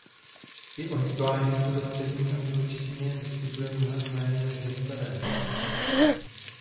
I ohýbání se ve střední angličtině vyskytuje mnohem méně než ve staré.